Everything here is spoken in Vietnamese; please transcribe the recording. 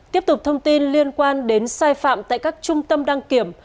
tiếp tục thông tin liên quan đến sai phạm tại các trung tâm đăng kiểm